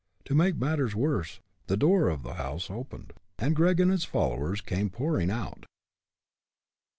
To make matters worse, the door of the house opened, and Gregg and his followers came pouring out.